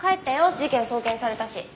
事件送検されたし。